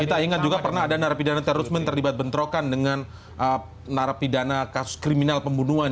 kita ingat juga pernah ada narapidana terorisme terlibat bentrokan dengan narapidana kasus kriminal pembunuhan